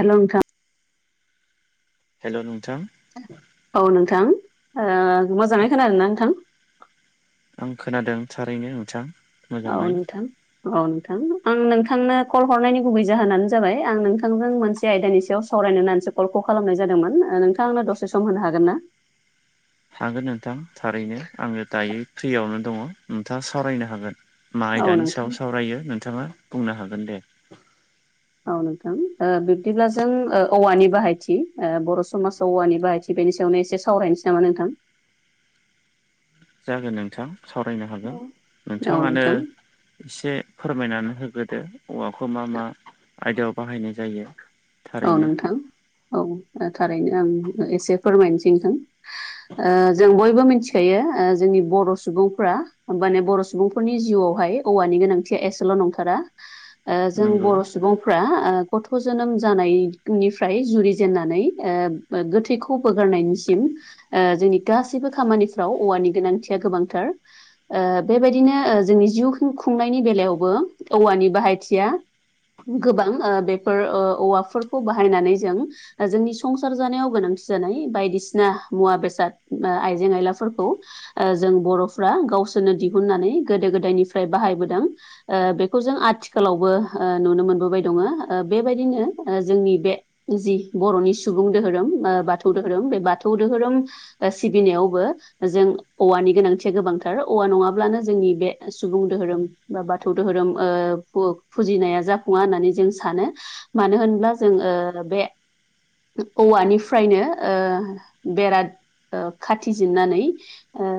हेल' नोंथां। हेल' नोंथां। [inaudible] औ नोंथां ओ मोजाङै खोनादों ना नोंथां? आं खोनादों थारैनो नोंथां। औ मोजाङै नोंथां। औ नोंथां, आं नोंथांनो कल हरनायनि गुबै जाहोनानो जाबाय आं नोंथांजों मोनसे से आयदानि सायाव सावरायनो होननानैसो कलखौ खालामनाय जादोंमोन। नोंथां आंनो दसे सम होनो हागोन ना? हागोन नोंथां थारैनो आङो दायो फ्रियावनो दङ' नोंथाङा सावरायनो हागोन। मा औ आयदानि नोंथां सायाव सावरायो नोंथाङा बुंनो हागोन दे। औ नोंथां बिब्दिब्ला जों औवानि बाहायथि बर' समाजाव औवानि बाहायथि बि बेनि सायावनो एसे सावरायनोसै नामा नोंथां? जागोन नोंथां सावरायनो हागोन औ नोंथाङानो नोंथां एसे फोरमायनानै होग्रोदो औवाखौ मा मा आयदायाव बाहायनाय जायो। औ थारैनो नोंथां औ थारैनो आं एसे फोरमायनोसै नोंथां जों बयबो मिथिखायो जोंनि बर' सुबुंफ्रा माने बर' सुबुंफोरनि जिउआवहाय औवानि गोनांथिया एसेल' नंथारा जों नंगौ बर' सुबुंफ्रा गथ' जोनोम जानायनिफ्राय जुरिजेननानै गोथैखौ बोगारनायनिसिम जोंनि गासैबो खामानिफ्राव औवानि गोनांथिया गोबांथार। बेबायदिनो जोंनि जिउ खुंनायनि बेलायावबो औवानि बाहायथिया गोबां बेफोर औवाफोरखौ बाहायनानै जों जोंनि संसार जानायाव गोनांथि जानाय बायदिसिना मुवा बेसाद आइजें आयलाफोरखौ जों बर'फ्रा गावसोरनो दिहुननानै गोदो गोदायनिफ्राय बाहायबोदों बेखौ जों आथिखालावबो नुनो मोनबोबाय दङ। बेबायदिनो जोंनि बे जि बर'नि सुबुं दोहोरोम बाथौ दोहोरोम बे बाथौ दोहोरोम सिबिनायावबो जों औवानि गोनांथिया गोबांथार औवा नङाब्लानो जोंनि बे सुबुं दोहोरोम बा बाथौ दोहोरोम फुजिनाया जाफुङा होननानै जों सानो। मानो होनब्ला जों बे औवानिफ्रायनो बेरा खाथि जिरनानै ओ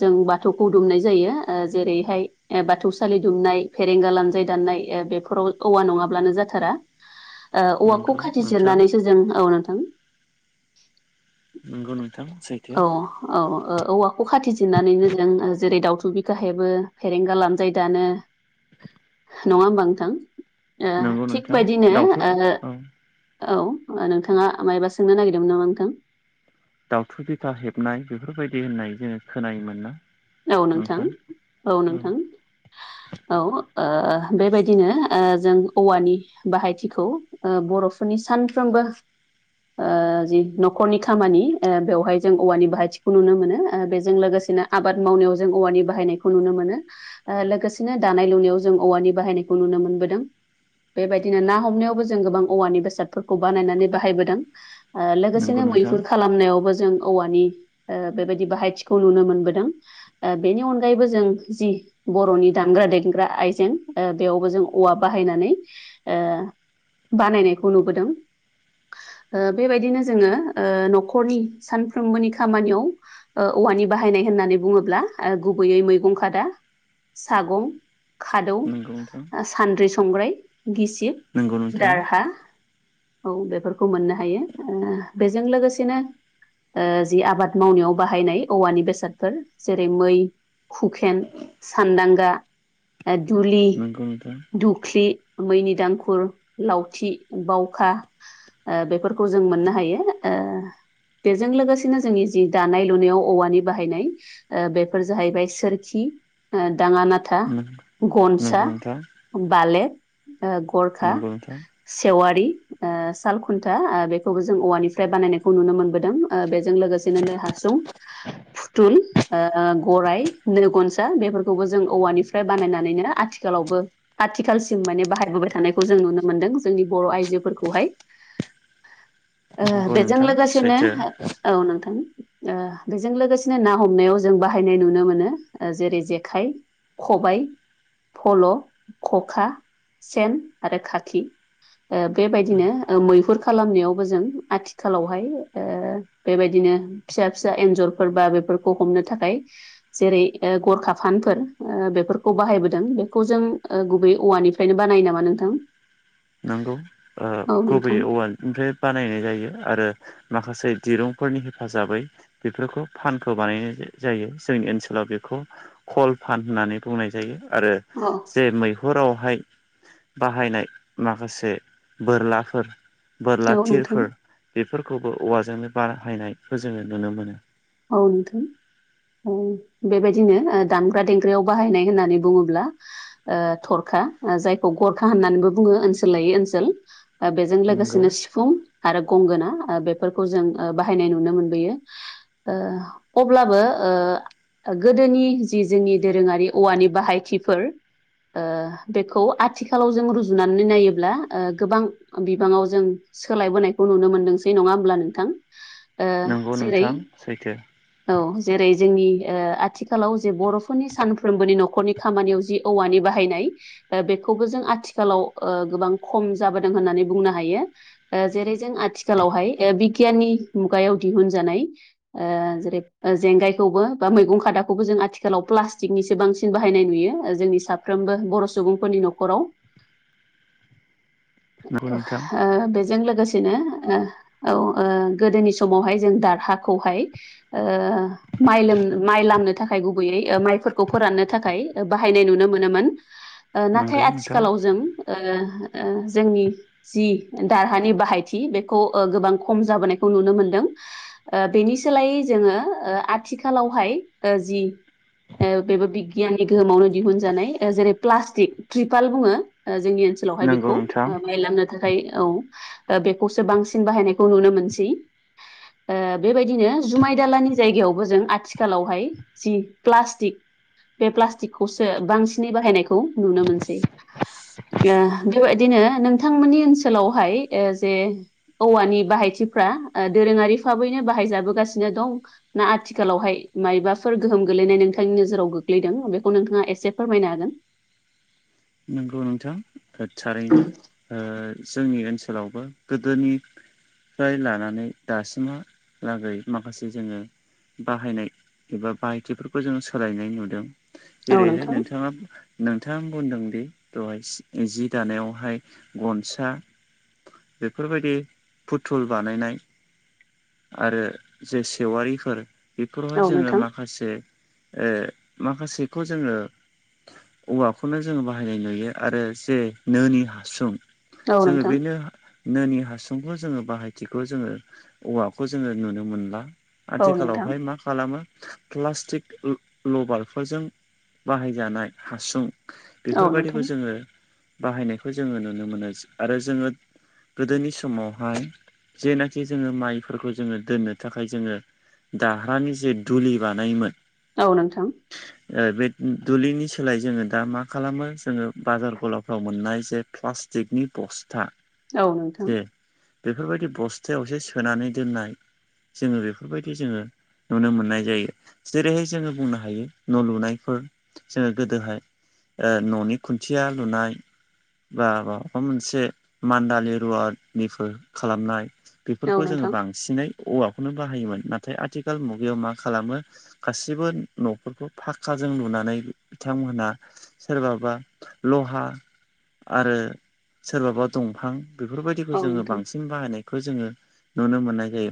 जों बाथौखौ दुमनाय जायो जेरैहाय बाथौसालि दुमनाय फेरेंगा लानजाय दाननाय बे बेफोराव औवा नङाब्लानो जाथारा औवाखौ नंगौ खाथि नोंथां जिरनानैसो जों औ नोंथां नंगौ नोंथां सैथो औ औ औवाखौ खाथि जिरनानैनो जों जेरै, दाउथु बिख हेबो, फेरेंगा लानजायो दानो नङा होमबाथ नोंथांओ नंगौ थिग नोंथां बायदिनो दाउथु औ औ नोंथाङा मायबा सोंनो नागिरदोंमोन नामा नोंथां? दाावथु बिखा हेबनाय बेफोरबायदि होननाय जोङो खोनायोमोना औ नोंथां औ नोंथां। औओ बेबायदिनो ओ जों औवानि बाहायथिखौ बर'फोरनि सानफ्रोमबो जि न'खरनि खामानि बेवहाय जों औवानि बाहायथिखौ नुनो मोनो। बेजों लोगोसे आबाद मावनायाव जों औवानि बाहायनायखौ नुनो मोनो। लोगोसेनो दानाय -लुनायाव जों औवानि बाहायनायखौ नुनो मोनबोदों। बेबायदिनो ना हमनायावबो जों गोबां औवानि बेसादफोरखौ बानायनानै बाहायबोदों नंगौ लोगोसेनो नोंथां मैहुर खालामनायावबो जों औवानि बेबायदि बाहायथिखौ नुनो मोनबोदों। ओ बेनि अनगायैबो जों जि बर'नि दामग्रा -देग्रा आइजें बेयावबो जों औवा बाहायनानै बानायनायखौ नुबोदों। बेबायदिनो जोङो न'खरनि सानफ्रोमबोनि खामानियाव औवानि बाहायनाय होननानै बुङोब्ला गुबैयै मैगं खादा, सागं खादौ, नंगौ नोंथां सानद्रि -संग्राय, गिसिब, नंगौ नोंथां दारहा औ बेफोरखौ मोननो हायो। बेजों लोगोसेनो जि आबाद मावनायाव बाहायनाय औवानि बेसादफोर जेरै, मै, हुखेन, सानदांगा, दुलि नंगौ नोंथां दुख्लि, मैनि दांगुर, लावथि, बावखा बेफोरखौ जों मोननो हायो। ओ बेजों लोगोसेनो जोंनि जि दानाय लुनायाव औवानि बाहायनाय ओ बेफोर जाहैबाय सोरखि ओ दाङा नाथा गनसा नंगौ नोंथां बालेक ओ गरखा नंगौ नोंथां सेवारि ओ साल खुन्था बेखौबो जों औवानिफ्राय बानायनायखौ नुनो मोनबोदों ओ बेजों लोगोसेनो नों फुथल ओ गराइ नो गनसा बेफोरखौबो जों औवानिफ्राय बानायनानैनो आथिखालावबो आथिखालसिम माने बाहायबोबाय थानायखौ जों नुनो मोनदों जोंनि बर' आइजोफोरखौहाय। ओ नंगौ बेजों नोंथां लोगोसेनो सैथो औ नोंथां ओ बेजों लोगोसेनो ना हमनायाव जों बाहायनाय नुनो मोनो ओ जेरै जेखाइ खबायाइ फल' खखा सेन आरो खाखि ओ बेबायदिनो मैहुर खालामनायावबो जों आथि आथिखालावहाय ओ बेबायदिनो फिसा फिसा एन्जरफोर बा बेफोरखौ हमनो थाखाय जेरै ओ गरखा फानफोर ओ बेफोरखौ बाहायबोदों बेखौ जों गुबै औवानिफ्रायनो बानायो नामा नोंथां? नंगौ ओ औ नोंथां गुबैयै वाल ओमफ्राय बानायनाय जायो आरो माखासे दिरुंफोरनि हेफाजाबै बेफोरखौ फानखौ बानायनाय जायो जोंनि ओनसोलाव बेखौ कल फान होननानै बुंनाय जायो आरो अ। जे मैहुरावहाय बाहायनाय माखासे बोरलाफोर बोरला औ नोंथां थिरफोर बेफोरखौबो औवाजोंनो बाहायनायखौ जोङो नुनो मोनो। औ नोंथां। बेबायदिनो दामग्रा देंग्रायाव बाहायनाय होननानै बुङोब्ला ओ थरखा जायखौ गरखा होननानैबो बुङो ओनसोल लायै ओनसोल ओ बेजों नंगौ लोगोसेनो सिफुं आरो गंगोना ओ बेफोरखौ जों ओ बाहायनाय नुनो मोनबोयो। ओ अब्लाबो ओ ओ गोदोनि जि जोंनि दोरोङारि औवानि बाहायथिफोर ओ बेखौ आथिखालाव जों रुजुनानै नायोब्ला ओ गोबां बिबाङाव जों सोलायबोनायखौ नुनो मोनदोंसै नङा होमब्ला नोंथां ओ औ' जेरै नोंथां सैथो। औ जेरै जोंनि ओ आथिखालाव जे बर'फोरनि सानफ्रोमबोनि न'खरनि खामानियाव जि औवानि बाहायनाय ओ बेखौबो जों आथिखालाव ओ गोबां खम जाबोदों होननानै बुंनो हायो। ओ जेरै जों आथिखालावहाय ओ बिगियाननि मुगायाव दिहुनजानाय ओ जेरै जेंगायखौबो बा मैगं खादाखौबो जों आथिखालाव प्लास्टिकनिसो बांसिन बाहायनाय नुयो जोंनि साफ्रोमबो बर' सुबुंफोरनि न'खराव नंगौ [unintelligible] ओ नोंथां हे बेस जों लोगोसेनो ओ औ ओ गोदोनि समावहाय जों दारहााखौहाय ओ माइ लो-माइ लामनो थाखाय गुबैयै माइफोरखौ फोराननो थाखाय बाहायनाय नुनो मोनोमोन। ओ नाथाय नंगौ नोंथां आथिखालाव जों ओ-ओ जोंनि जि दारहानि बाहायथि बेखौ ओ गोबां खम जाबोनायखौ नुनो मोनदों। ओ बेनि सोलायै जोङो ओ आथिखालावहाय जि ओ बेबो बिगियाननि गोहोमावनो दिहुनजानाय जेरै प्लास्टिक तरिपाल बुङो जोंनि ओनसो ओनोलावहाय नंगौ बेखौ नोंथां बायांनो थाखाय औ बेखौसो बांसिन बाहायनायखौ नुनो मोनसै। ओ बेबायदिनो जुमाय दालानि जायगायावबो जों आथिखालावहाय जि प्लास्टिक बे प्लास्टिकखौसो बांसिनै बाहायनायखौ नुनो मोनसै। ओ बेबायदिनो नोंथांमोननि ओनसोलावहाय ओ जे औवानि बाहायथिफ्रा ओ दोरोङारि फाबैनो बाहायजाबोगासिनो दं। ना आथिखालावहाय मायबाफोर गोहोम गोलैनाय नोंथांनि नोजोराव गोग्लैदों बेखौ नोंथाङा एसे फोरमायनो हागोन। [unintelligible] नोंगौ नोंथां गो थारैनो। ओ जोंनि ओनसोलावबो गोदोनि फ्राय लानानै दासिमहालागै माखासे जोङो बाहायनाय एबा बाहायथिफोरखौ जों सोलायनाय नुदों। हागोन जेरैहाय नोंथाङा नोंथां बुंदों। बे दहाय जि दानायावहाय गनसा‌। बेफोरबायदि फुथुल बानायनाय। आरो जे सेवारिफोर बेफोरबो औ नोंथां औ जोङो नोंथां माखासे ओ माखासेखौ जोङो औवाखौनो जोङो बाहायनाय नुयो आरो जे नोोनि हासुं जोङो बेनो नोनि हासुंखौ जोङो बाहायथिखौ जोङो औवाखौ जोङो नुनो मोनला औ नोंथां आथिखालावहाय मा खालामो प्लास्टिक लबारफोरजों बाहायजानाय हासुं औ नोंथां बेफोरबायदिखौ जोङो बाहायनायखौ जोङो नुनो मोनो आरो जोङो गोदोनि समावहाय जेनाखि जोङो माइफोरखौ जोङो दोननो थाखाय जोङो दाह्रानि जे दुलि बानायोमोन। औ नोंथां। ओ बे दुलिनि सोलाय जोङो दा मा खालामो जोङो बाजार गलाफ्राव मोननाय जे प्लासटि जेकनि बस्था। औ नोंथां जे बेफोरबायदि बस्थायावसो सोनानै दोननाय जोङो बेफोरबायदि जोङो नुनो मोननाय जायो जेरैहाय जोङो बुंनो हायो न' लुनायफोर जोङो गोदोहाय ओ न'नि खुन्थिया लुनाय बा माबा मोनसे मान्दालि रुवानिफोर खालामनाय बे औ खौ जोङो नोंथां बांसिनै औवाखौनो बाहायोमोन नाथाय आथिखाल मुगायाव मा खालामो। गासिबो न'फोरखौ फखाजों लुनानै बिथांमोनहा सोरबाबा लहा आरो सोरबाबा दंफां बेफोरबायदिखौ औ जोङो नोंथां बांसिन बाहायनायखौ जोङो नुनो मोननाय जायो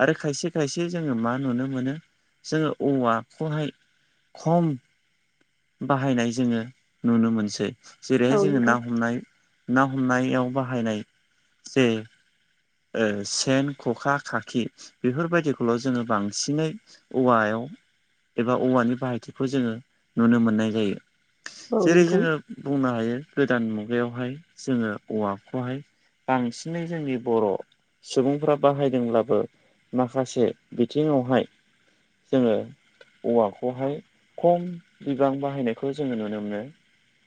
आरो खायसे खायसे जोङो मा नुनो मोनो। जोङो औवाखौहाय खम बाहायनाय जोङो नुनो मोनसै औ जेरैहाय जोङो ना हमनाय ना हमनायाव बाहायनाय जे ओ सि सेन ख'खा खाखि बेफोरबायदिखौल' जोङो बांसिनै औवायाव। एबा औवानि बाहायथिखौ जोङो नुनो मोननाय जायो जेरै नोंथां जोङो बुंनो हायो गोदान मुगायावहाय जोङो औवाखौहाय बांसिनै जोंनि बर' सुबुंफ्रा बाहायदोंब्लाबो माखासे बिथिङावहाय जोङो औवाखौहाय खम बिबां बाहायनायखौ जोङो नुनो मोनो।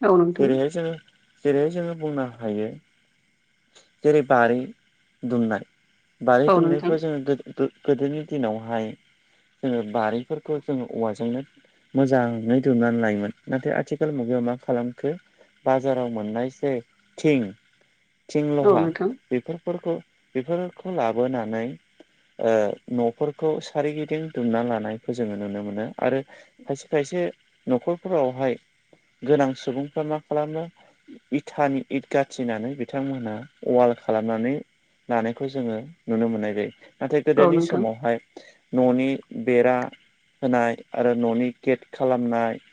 औ नोंथां जेरैहाय जोङो जेरै जोङो बुंनो हायो जेरै बारि दुमनाय। बारि औ नोंथां दुमनायखौ जोङो गो-गो-गोदोनि दिनावहाय जोङो बारिफोरखौ जोङो औवाजोंनो मोजाङै दुमनानै लायोमोन नाथाय आथिखाल मुगायाव मा खालाम खो बाजाराव मोननाय जे थिं। थिं औ लहा नोंथां बेफोरखौ बेफोरखौ लाबोनानै ओ न'फोरखौ सोरगिदिं दुमना लानायखौ जोङो नुनो मोनो आरो खायसे खायसे न'खरफोरावहाय गोनां सुबुंफ्रा मा खालामो इथानि इद गाथिनानै बिथांमोनहा अवाल खालामनानै लानायखौ जोंङो नुनो मोननाय जायो नाथाय औ गोदोनि नोंथां समावहाय न'नि बेरा होनाय आरो न'नि केेट खालामनाय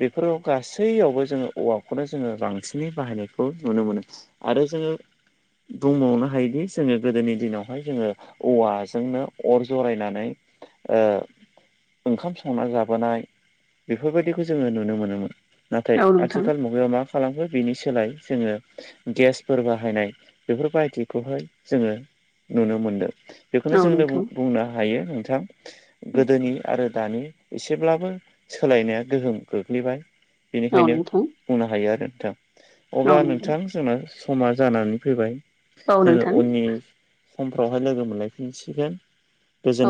बेफोराव गासैयावबो जोंङो औवाखौनो जोंङो बांसिनै बाहायनायखौ नुनो मोनो आरो जोंङो। बुंबावनो हायोदि जोंङो गोदोनि दिनावहाय जोंङो औवाजोंनो अर जरायनानै ओ ओंखाम संना जाबोनाय बेफोरबायदिखौ जोंङो नुनो मोनोमोन नाथाय औ नोंथां औ नोंथां आथिखाल मुगायाव मा खालामखो बिनि सोलाय जोंङो। गेसफोर बाहायनाय बेफोरबायदिखौहाय जोंङो नुनो मोनदों बेखौनो औ नोंथां औ जोंनो नोंथां बुंनो हायो नोंथां गोदोनि आरो दानि एसेब्लाबो सोलायनाया गोहोम गोग्लैबाय बेनिखायनो औ नोंथां बुंनो हायो आरो नोंथां अब्ला नोंथां जोंना समा जानानै फैबाय औ जोंङो नोंथां उननि समफ्रावहाय लोगो मोनलायफिनसिगोन।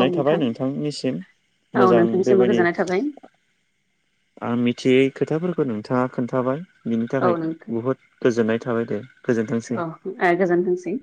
औ नोंथां थाबाय नोंथांनिसिम औ मोजां नोंथांनिसिमबो बेबायदि गोजोननाय थाबाय आं मिथियै खोथाफोरखौ नोंथाङा खोन्थाबाय बिनि औ थाखाय नोंथां बहुद गोजोननाय थाबाय दे गोजोनथोंसै औ गोजोनथोंसै